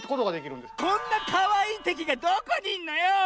こんなかわいいてきがどこにいんのよ！